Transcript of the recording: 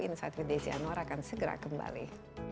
insight with desi anwar akan segera kembali